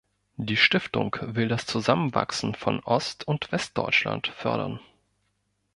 Die Stiftung will das Zusammenwachsen von Ost- und Westdeutschland fördern.